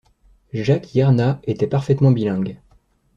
Jacques Yerna était parfaitement bilingue.